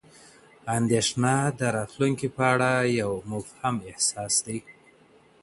اندېښنه د راتلونکي په اړه یو مبهم احساس دی.